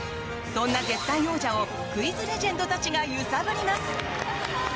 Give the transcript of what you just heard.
そんな絶対王者をクイズレジェンドたちが揺さぶります。